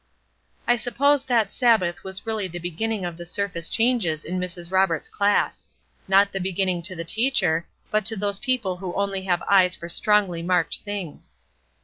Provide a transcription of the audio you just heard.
I suppose that Sabbath was really the beginning of the surface changes in Mrs. Roberts' class. Not the beginning to the teacher, but to those people who only have eyes for strongly marked things.